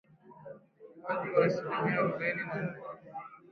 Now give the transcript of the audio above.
Ukuaji wa asilimia arubaini na nne